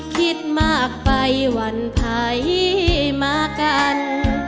คิดมากไปวันไทยมากัน